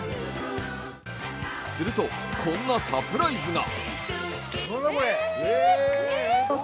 すると、こんなサプライズが。